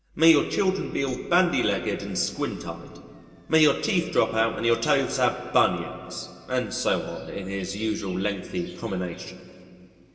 May your children be all bandy legged and squint eyed, may your teeth drop out, and your toes have bunions," and so on in his usual lengthy commination.